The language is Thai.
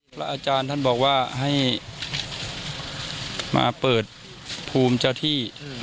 พระอาจารย์ท่านบอกว่าให้มาเปิดภูมิเจ้าที่